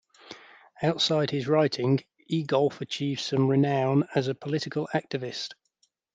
Outside his writing, Egolf achieved some renown as a political activist.